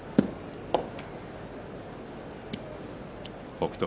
北勝